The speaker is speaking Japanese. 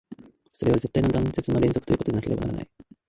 それは絶対の断絶の連続ということでなければならない。